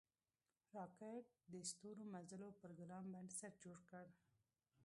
راکټ د ستورمزلو پروګرام بنسټ جوړ کړ